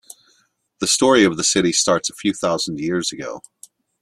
The story of the city starts a few thousand years ago.